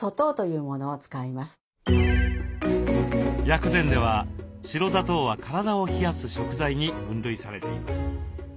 薬膳では白砂糖は体を冷やす食材に分類されています。